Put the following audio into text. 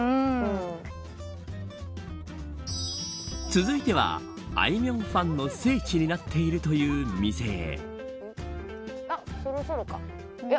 続いては、あいみょんファンの聖地になっているという店へ。